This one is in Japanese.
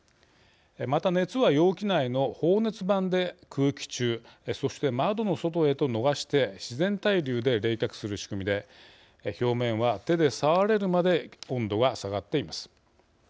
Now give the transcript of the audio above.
また、熱は、容器内の放熱板で空気中、そして窓の外へと逃して自然対流で冷却する仕組みで表面は、手で触れるまで温度は下がっています。